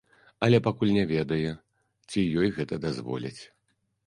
Але пакуль не ведае, ці ёй гэта дазволяць.